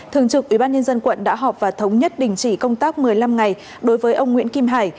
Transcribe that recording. thường trực ubnd quận đã họp và thống nhất đình chỉ công tác một mươi năm ngày đối với ông nguyễn kim hải